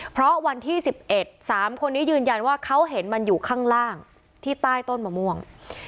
เพราะวันที่๑๑๓คนนี้ยืนยันว่าเขาเห็นมันอยู่ข้างล่างที่ใต้ต้นมะม่วง